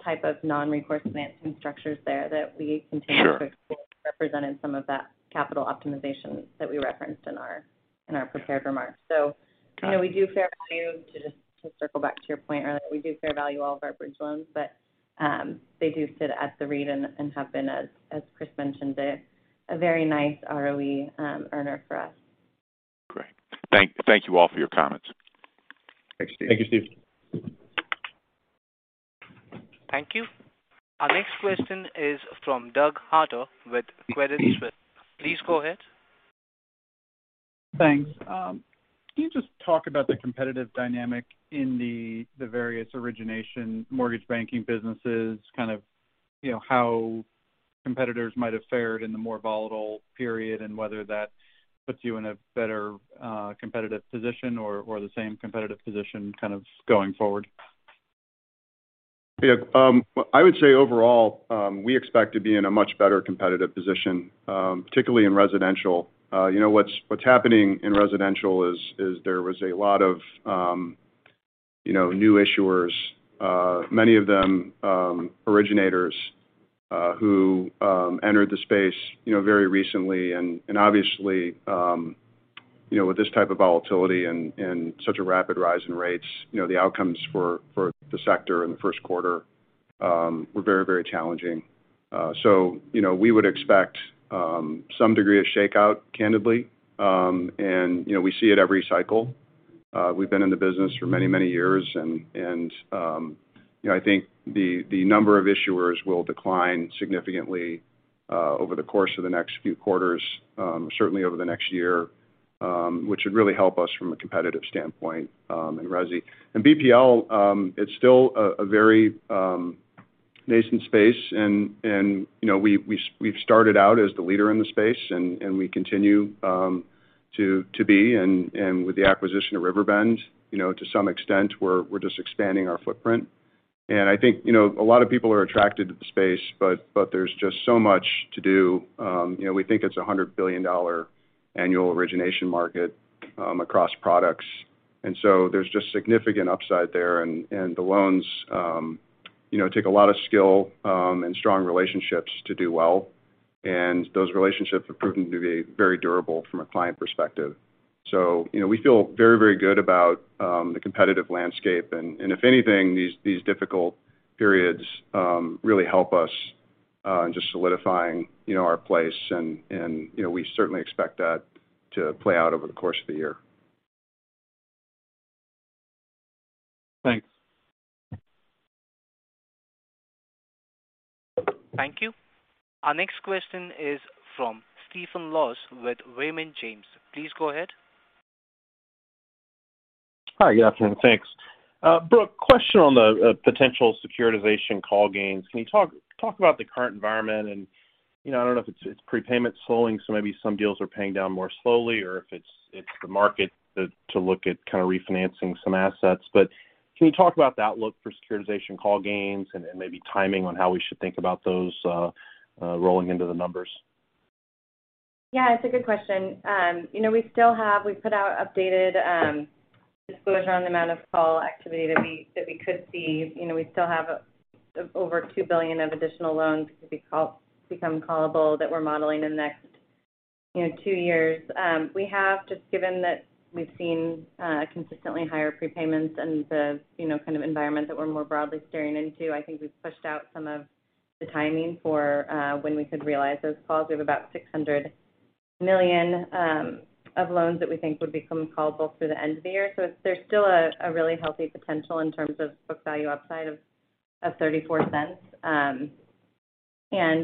type of non-recourse financing structures there that we continue. Sure to represent in some of that capital optimization that we referenced in our prepared remarks. Got it. You know, we do fair value to just, to circle back to your point earlier, we do fair value all of our bridge loans. They do sit at the rate and have been, as Chris mentioned, a very nice ROE earner for us. Great. Thank you all for your comments. Thanks, Steve. Thank you, Steve. Thank you. Our next question is from Douglas Harter with Credit Suisse. Please go ahead. Thanks. Can you just talk about the competitive dynamic in the various origination mortgage banking businesses, kind of, you know, how competitors might have fared in the more volatile period and whether that puts you in a better competitive position or the same competitive position kind of going forward? Yeah, I would say overall, we expect to be in a much better competitive position, particularly in residential. You know, what's happening in residential is there was a lot of, you know, new issuers, many of them originators, who entered the space, you know, very recently. Obviously, you know, with this type of volatility and such a rapid rise in rates, you know, the outcomes for the sector in the first quarter were very challenging. You know, we would expect some degree of shakeout candidly. You know, we see it every cycle. We've been in the business for many, many years, you know, I think the number of issuers will decline significantly over the course of the next few quarters, certainly over the next year, which would really help us from a competitive standpoint, in resi. BPL, it's still a very nascent space, you know, we've started out as the leader in the space and we continue to be. With the acquisition of Riverbend, you know, to some extent, we're just expanding our footprint. I think, you know, a lot of people are attracted to the space, but there's just so much to do. You know, we think it's a $100 billion annual origination market across products, and so there's just significant upside there. The loans you know take a lot of skill and strong relationships to do well, and those relationships have proven to be very durable from a client perspective. You know, we feel very good about the competitive landscape. If anything, these difficult periods really help us in just solidifying you know our place and you know we certainly expect that to play out over the course of the year. Thanks. Thank you. Our next question is from Stephen Laws with Raymond James. Please go ahead. Hi. Good afternoon. Thanks. Brooke, question on the potential securitization call gains. Can you talk about the current environment? You know, I don't know if it's prepayment slowing, so maybe some deals are paying down more slowly or if it's the market that's looking to refinance some assets. Can you talk about the outlook for securitization call gains and maybe timing on how we should think about those rolling into the numbers? Yeah, it's a good question. We put out updated disclosure on the amount of call activity that we could see. We still have over $2 billion of additional loans to become callable that we're modeling in the next two years. We have just given that we've seen consistently higher prepayments and the kind of environment that we're more broadly steering into, I think we've pushed out some of the timing for when we could realize those calls. We have about $600 million of loans that we think would become callable through the end of the year. There's still a really healthy potential in terms of book value upside of $0.34.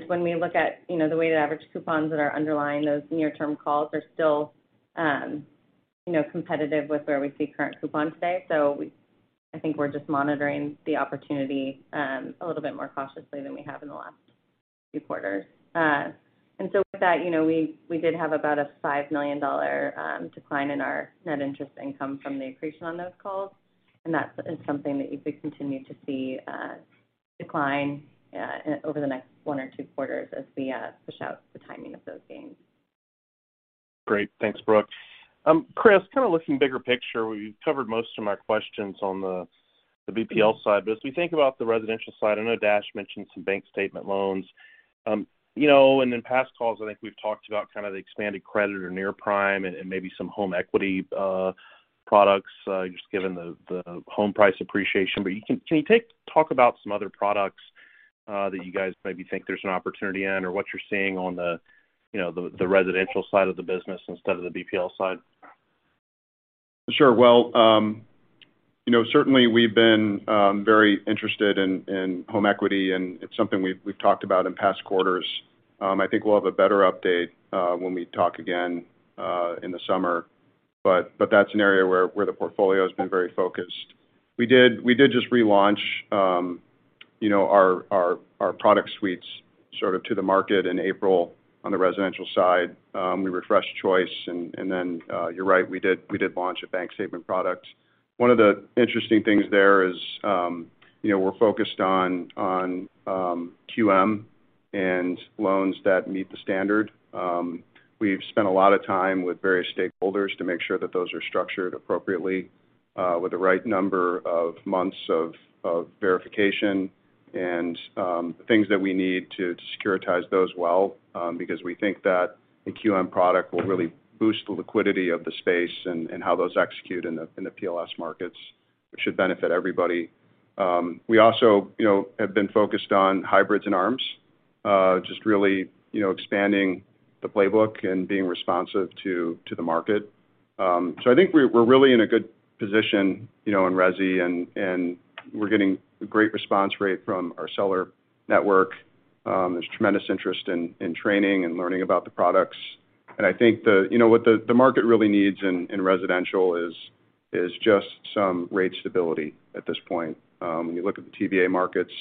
When we look at, you know, the weighted average coupons that are underlying those near-term calls are still, you know, competitive with where we see current coupons today. I think we're just monitoring the opportunity a little bit more cautiously than we have in the last few quarters. With that, you know, we did have about a $5 million decline in our net interest income from the accretion on those calls, and that is something that you could continue to see decline over the next one or two quarters as we push out the timing of those gains. Great. Thanks, Brooke. Chris, kind of looking bigger picture, we've covered most of my questions on the BPL side. As we think about the residential side, I know Dash mentioned some bank statement loans. You know, and in past calls, I think we've talked about kind of the expanded credit or near prime and maybe some home equity products, just given the home price appreciation. Can you talk about some other products that you guys maybe think there's an opportunity in or what you're seeing on the residential side of the business instead of the BPL side? Sure. Well, you know, certainly we've been very interested in home equity, and it's something we've talked about in past quarters. I think we'll have a better update when we talk again in the summer, but that's an area where the portfolio has been very focused. We did just relaunch, you know, our product suites sort of to the market in April on the residential side. We refreshed Choice and then, you're right, we did launch a bank statement product. One of the interesting things there is, you know, we're focused on QM and loans that meet the standard. We've spent a lot of time with various stakeholders to make sure that those are structured appropriately, with the right number of months of verification and things that we need to securitize those well, because we think that the QM product will really boost the liquidity of the space and how those execute in the PLS markets, which should benefit everybody. We also, you know, have been focused on hybrids and ARMs, just really, you know, expanding the playbook and being responsive to the market. I think we're really in a good position, you know, in resi and we're getting a great response rate from our seller network. There's tremendous interest in training and learning about the products. You know what the market really needs in residential is just some rate stability at this point. When you look at the TBA markets.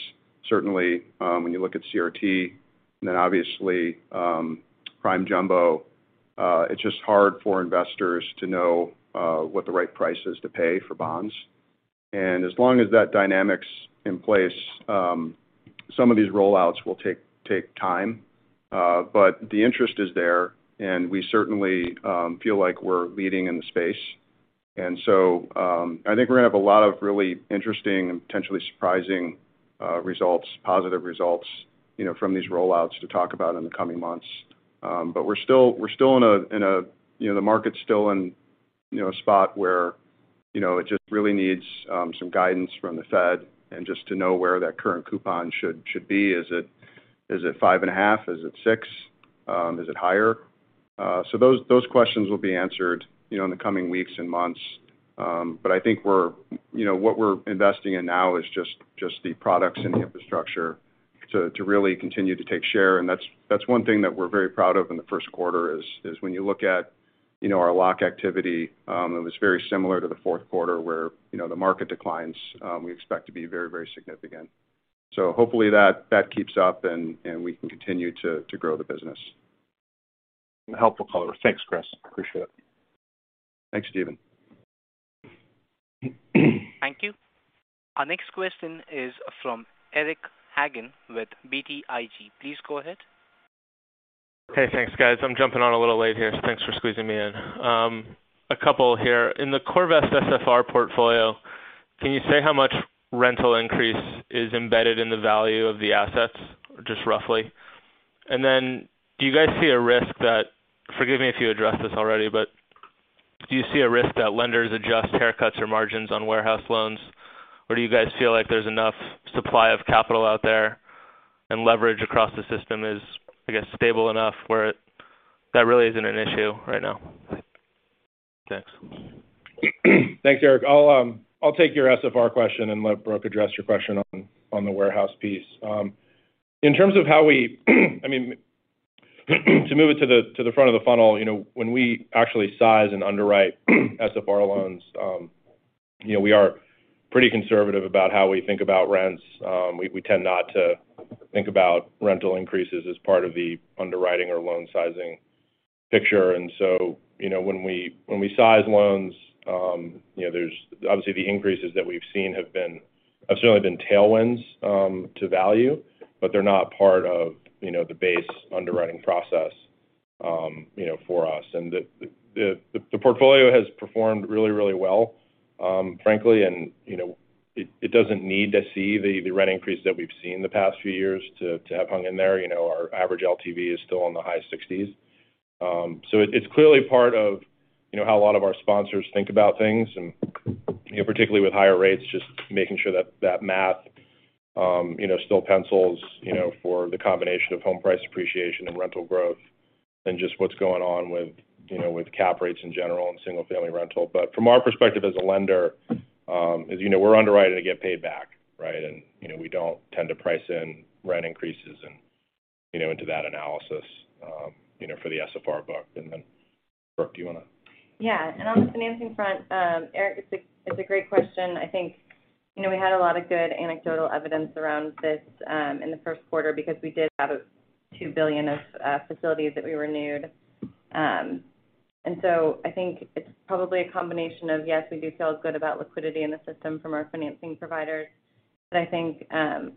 Certainly, when you look at CRT and then obviously, prime jumbo, it's just hard for investors to know what the right price is to pay for bonds. As long as that dynamic's in place, some of these rollouts will take time. The interest is there, and we certainly feel like we're leading in the space. I think we're gonna have a lot of really interesting and potentially surprising results, positive results, you know, from these rollouts to talk about in the coming months. We're still in a... You know, the market's still in a spot where it just really needs some guidance from the Fed and just to know where that current coupon should be. Is it 5.5? Is it six? Is it higher? Those questions will be answered in the coming weeks and months. I think you know what we're investing in now is just the products and the infrastructure to really continue to take share, and that's one thing that we're very proud of in the first quarter is when you look at, you know, our lock activity, it was very similar to the fourth quarter, where, you know, the market declines we expect to be very significant. Hopefully that keeps up and we can continue to grow the business. Helpful color. Thanks, Chris. Appreciate it. Thanks, Stephen. Thank you. Our next question is from Eric Hagen with BTIG. Please go ahead. Hey. Thanks, guys. I'm jumping on a little late here, so thanks for squeezing me in. A couple here. In the CoreVest SFR portfolio, can you say how much rental increase is embedded in the value of the assets, just roughly? And then do you guys see a risk that lenders adjust haircuts or margins on warehouse loans, or do you guys feel like there's enough supply of capital out there and leverage across the system is, I guess, stable enough where that really isn't an issue right now? Thanks. Thanks, Eric. I'll take your SFR question and let Brooke address your question on the warehouse piece. In terms of how we, I mean, to move it to the front of the funnel, you know, when we actually size and underwrite SFR loans, you know, we are pretty conservative about how we think about rents. We tend not to think about rental increases as part of the underwriting or loan sizing picture. You know, when we size loans, you know, there's obviously the increases that we've seen have certainly been tailwinds to value, but they're not part of, you know, the base underwriting process, you know, for us. The portfolio has performed really, really well, frankly, and you know, it doesn't need to see the rent increase that we've seen the past few years to have hung in there. You know, our average LTV is still in the high 60s. So it's clearly part of, you know, how a lot of our sponsors think about things. You know, particularly with higher rates, just making sure that that math, you know, still pencils, you know, for the combination of home price appreciation and rental growth and just what's going on with, you know, with cap rates in general and single-family rental. From our perspective as a lender, you know, we're underwriting to get paid back, right? You know, we don't tend to price in rent increases and, you know, into that analysis, you know, for the SFR book. Then, Brooke, do you wanna. On the financing front, Eric, it's a great question. I think, you know, we had a lot of good anecdotal evidence around this in the first quarter because we did have $2 billion of facilities that we renewed. I think it's probably a combination of, yes, we do feel good about liquidity in the system from our financing providers. I think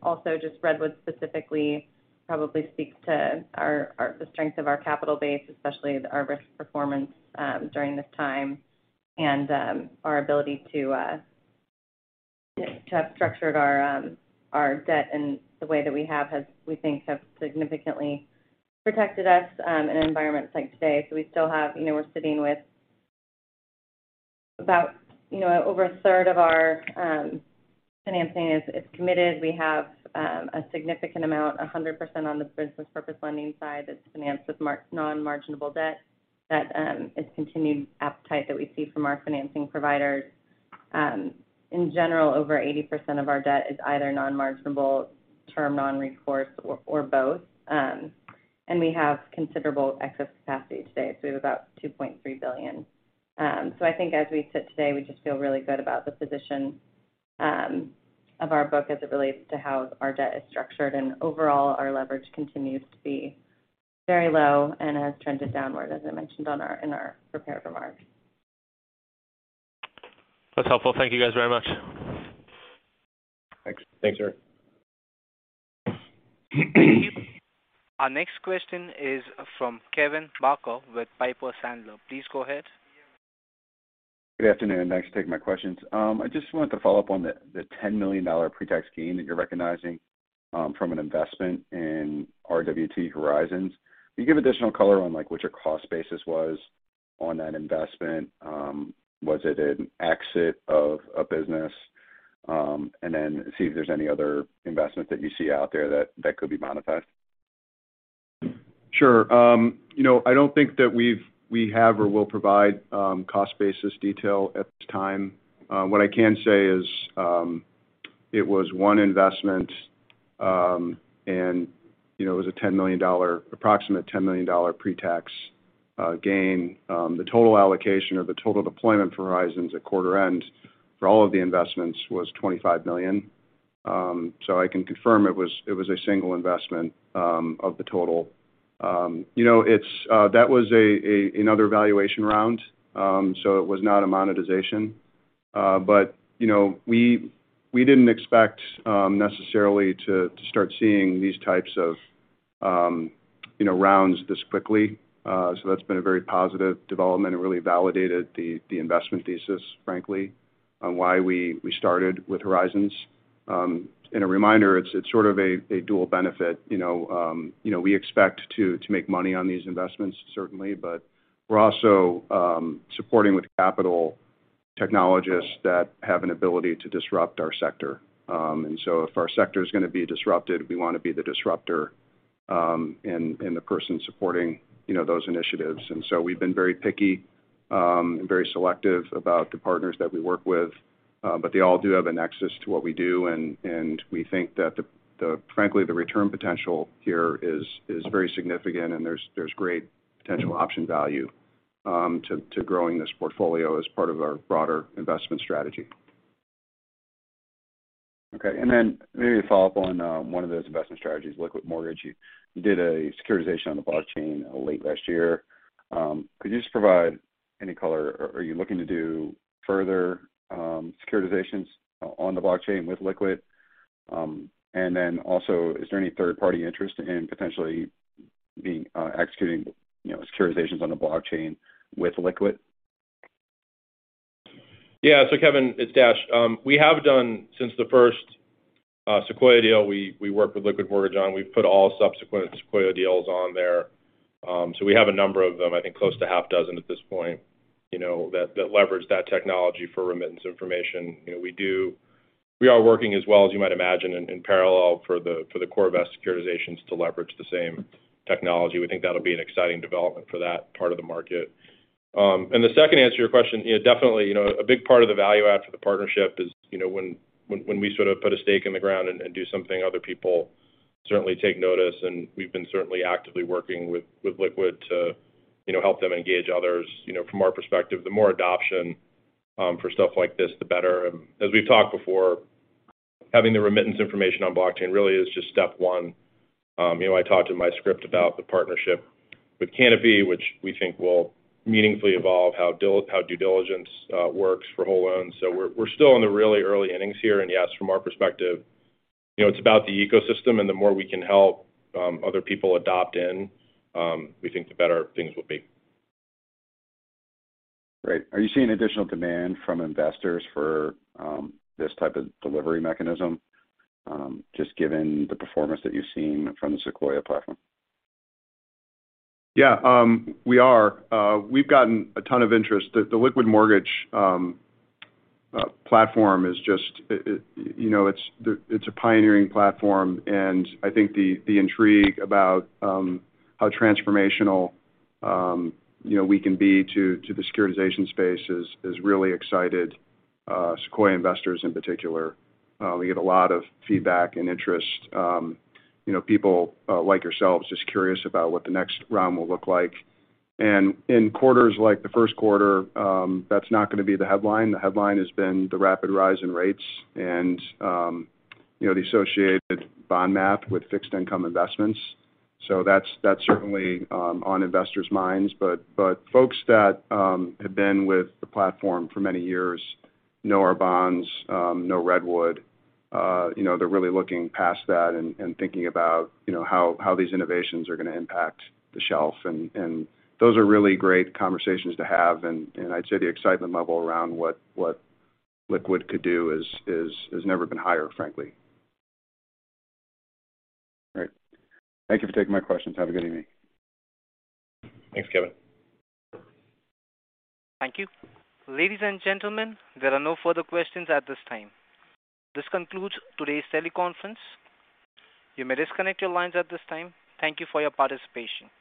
also just Redwood specifically probably speaks to the strength of our capital base, especially our risk performance during this time and our ability to have structured our debt in the way that we have, we think, has significantly protected us in environments like today. You know, we're sitting with about, you know, over a third of our financing is committed. We have a significant amount, 100% on the business purpose lending side that's financed with non-marginable debt that there's continued appetite that we see from our financing providers. In general, over 80% of our debt is either non-marginable, term non-recourse or both. We have considerable excess capacity today, so about $2.3 billion. I think as we sit today, we just feel really good about the position of our book as it relates to how our debt is structured. Overall, our leverage continues to be very low and has trended downward, as I mentioned in our prepared remarks. That's helpful. Thank you, guys, very much. Thanks. Thanks, Eric. Our next question is from Kevin Barker with Piper Sandler. Please go ahead. Good afternoon. Thanks for taking my questions. I just wanted to follow up on the $10 million pre-tax gain that you're recognizing from an investment in RWT Horizons. Can you give additional color on, like, what your cost basis was on that investment? Was it an exit of a business? See if there's any other investment that you see out there that could be monetized. Sure. You know, I don't think that we have or will provide cost basis detail at this time. What I can say is, it was one investment, and you know, it was an approximate $10 million pre-tax gain. The total allocation or the total deployment Horizons at quarter end for all of the investments was $25 million. I can confirm it was a single investment of the total. You know, it was another valuation round, so it was not a monetization. You know, we didn't expect necessarily to start seeing these types of, you know, rounds this quickly. That's been a very positive development and really validated the investment thesis, frankly, on why we started with Horizons. A reminder, it's sort of a dual benefit, you know, you know, we expect to make money on these investments, certainly, but we're also supporting with capital technologies that have an ability to disrupt our sector. If our sector is gonna be disrupted, we wanna be the disruptor, and the person supporting, you know, those initiatives. We've been very picky and very selective about the partners that we work with, but they all do have a nexus to what we do. We think that the frankly, the return potential here is very significant and there's great potential option value to growing this portfolio as part of our broader investment strategy. Okay. Maybe to follow up on one of those investment strategies, Liquid Mortgage. You did a securitization on the blockchain late last year. Could you just provide any color? Are you looking to do further securitizations on the blockchain with Liquid? Is there any third-party interest in potentially executing, you know, securitizations on the blockchain with Liquid? Yeah. Kevin, it's Dash. We have done since the first Sequoia deal we worked with Liquid Mortgage on, we've put all subsequent Sequoia deals on there. We have a number of them, I think close to half dozen at this point, you know, that leverage that technology for remittance information. You know, we are working as well, as you might imagine, in parallel for the core of our securitizations to leverage the same technology. We think that'll be an exciting development for that part of the market. The second answer to your question, yeah, definitely, you know, a big part of the value add for the partnership is, you know, when we sort of put a stake in the ground and do something other people certainly take notice, and we've been certainly actively working with Liquid to, you know, help them engage others. You know, from our perspective, the more adoption for stuff like this, the better. As we've talked before, having the remittance information on blockchain really is just step one. You know, I talked in my script about the partnership with Canopy, which we think will meaningfully evolve how due diligence works for whole loans. We're still in the really early innings here. Yes, from our perspective, you know, it's about the ecosystem and the more we can help other people adopt in, we think the better things will be. Great. Are you seeing additional demand from investors for, this type of delivery mechanism, just given the performance that you've seen from the Sequoia platform? Yeah, we are. We've gotten a ton of interest. The Liquid Mortgage platform is just you know, it's a pioneering platform, and I think the intrigue about how transformational you know we can be to the securitization space is really exciting Sequoia investors in particular. We get a lot of feedback and interest you know people like yourselves just curious about what the next round will look like. In quarters like the first quarter, that's not gonna be the headline. The headline has been the rapid rise in rates and you know the associated bond math with fixed income investments. That's certainly on investors' minds. Folks that have been with the platform for many years know our bonds, know Redwood, you know, they're really looking past that and thinking about, you know, how these innovations are gonna impact the shelf. Those are really great conversations to have. I'd say the excitement level around what Liquid could do has never been higher, frankly. All right. Thank you for taking my questions. Have a good evening. Thanks, Kevin. Thank you. Ladies and gentlemen, there are no further questions at this time. This concludes today's teleconference. You may disconnect your lines at this time. Thank you for your participation.